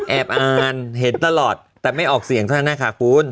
แอบอ่านเห็นตลอดแต่ไม่ออกเสียงเท่านั้นนะคะคุณ